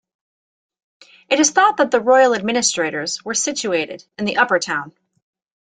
It is thought that the royal administrators were situated in the Upper Town.